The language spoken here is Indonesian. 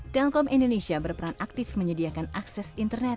telkom indonesia berperan aktif menyediakan akses internet